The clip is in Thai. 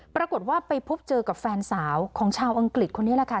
ปรากฏว่าไปพบเจอกับแฟนสาวของชาวอังกฤษคนนี้แหละค่ะ